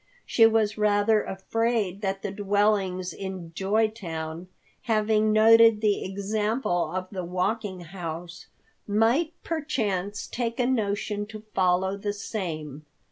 She was rather afraid that the dwellings in Joytown, having noted the example of the Walking House, might perchance take a notion to follow the same.